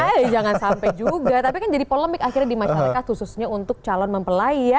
eh jangan sampai juga tapi kan jadi polemik akhirnya di masyarakat khususnya untuk calon mempelai ya